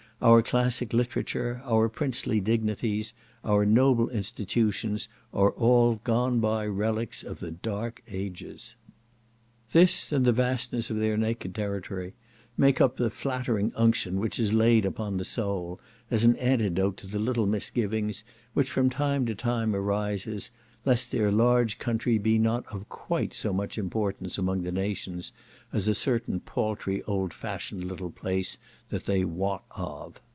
Our classic literature, our princely dignities, our noble institutions, are all gone by relics of the dark ages. This, and the vastness of their naked territory, make up the flattering unction which is laid upon the soul, as an antidote to the little misgiving which from time to time arises, lest their large country be not of quite so much importance among the nations, as a certain paltry old fashioned little place that they wot of.